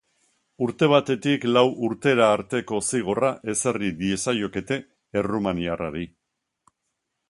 Urte batetik lau urtera arteko zigorra ezarri diezaiokete errumaniarrari.